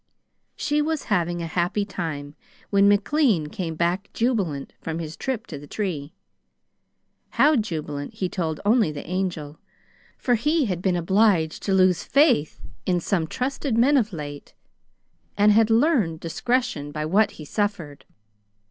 She was having a happy time, when McLean came back jubilant, from his trip to the tree. How jubilant he told only the Angel, for he had been obliged to lose faith in some trusted men of late, and had learned discretion by what he suffered.